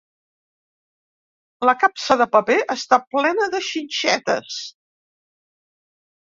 La capsa de paper està plena de xinxetes.